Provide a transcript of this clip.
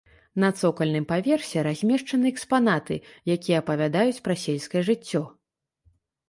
На цокальным паверсе размешчаны экспанаты, якія апавядаюць пра сельскае жыццё.